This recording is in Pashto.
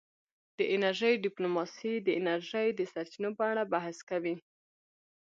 د انرژۍ ډیپلوماسي د انرژۍ د سرچینو په اړه بحث کوي